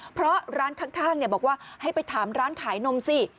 เพราะร้านข้างบอกว่าให้ไปถามร้านขายนมสิ